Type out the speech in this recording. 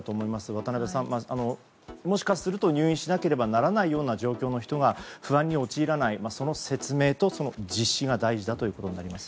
渡辺さん、もしかすると入院しなければならない人が不安に陥らないその説明と実施が大事だということになります。